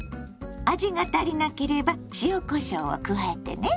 味が足りなければ塩こしょうを加えてね。